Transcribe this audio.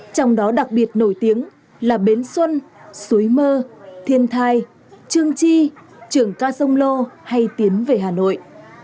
trong đó đặc biệt nổi tiếng là bến xuân suối mơ thiên thai trương chi trường ca sông lô hay tiến về hà nội